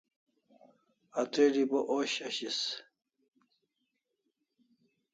Atril'i bo osh ashis